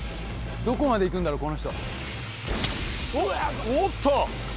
どこまで行くんだろう、この人。